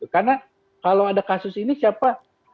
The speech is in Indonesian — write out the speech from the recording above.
karena kalau ada kasus ini siapa